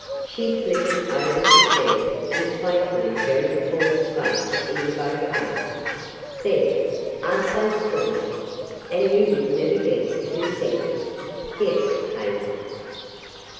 She flittered over to the bed and playfully buried Paul's face in the bouquet. "There! Aren't they splendid? And you would never guess who sent them. Guess, Hazel."